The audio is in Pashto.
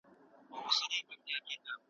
د تېرو څلوېښتو کلونو تاریخ ډېر مهم دی.